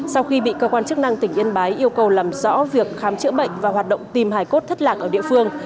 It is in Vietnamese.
sau khi bị cơ quan chức năng tỉnh yên bái yêu cầu làm rõ việc khám chữa bệnh và hoạt động tìm hải cốt thất lạc ở địa phương